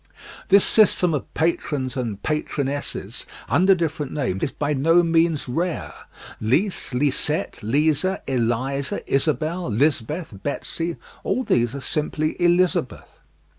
This system of patrons and patronesses under different names is by no means rare. Lise, Lisette, Lisa, Elisa, Isabelle, Lisbeth, Betsy, all these are simply Elizabeth.